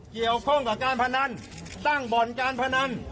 เกี่ยวข้องกับการพนันตั้งบ่อนการพนัน